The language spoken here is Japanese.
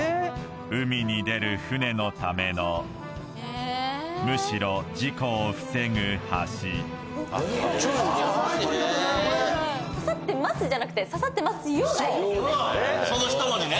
海に出る船のためのむしろ事故を防ぐ橋「刺さってます」じゃなくてうんその一文字ね